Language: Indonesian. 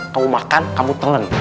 kamu makan kamu telan